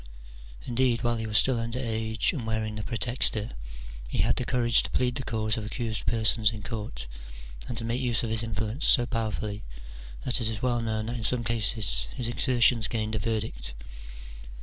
Indeed, while he was still under age and wearing the praetexta, he had the courage to plead the cause of accused persons in court, and to make use of his influence so powerfully that it is well known that in some causes his. exertions gained a verdict.